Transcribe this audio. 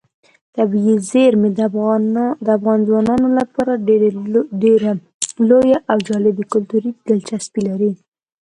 طبیعي زیرمې د افغان ځوانانو لپاره ډېره لویه او جالب کلتوري دلچسپي لري.